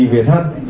về the tht